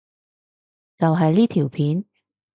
就係呢條片？